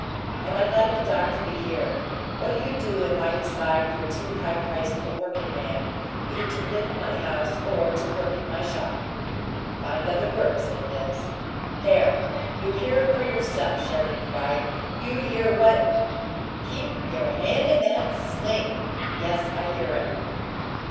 "And I'd like the doctor to hear: What'll you do if I decide you're too high priced a workin' man either to live in my house or work in my shop?" "Find other work," said Bibbs. "There! You hear him for yourself!" Sheridan cried. "You hear what " "Keep you hand in that sling! Yes, I hear him."